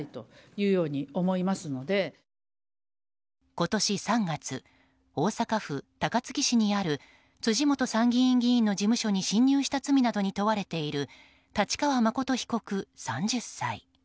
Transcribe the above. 今年３月、大阪府高槻市にある辻元参議院議員の事務所に侵入した罪などに問われている太刀川誠被告、３０歳。